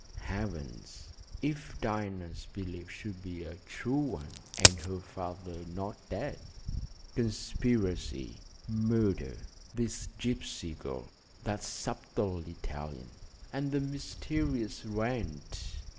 Heavens! If Diana's belief should be a true one, and her father not dead? Conspiracy! murder! this gypsy girl, that subtle Italian, and the mysterious Wrent!